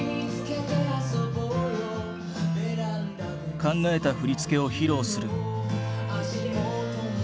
考えた振り付けを披露する。